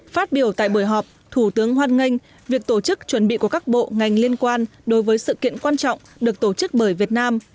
phát biểu tại buổi họp thủ tướng hoan nghênh việc tổ chức chuẩn bị của các bộ ngành liên quan đối với sự kiện quan trọng được tổ chức bởi việt nam